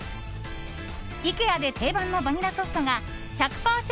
イケアで定番のバニラソフトが１００％